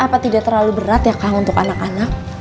apa tidak terlalu berat ya kang untuk anak anak